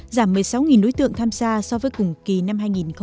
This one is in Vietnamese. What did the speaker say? giảm một mươi sáu đối tượng tham gia so với cùng kỳ năm hai nghìn một mươi tám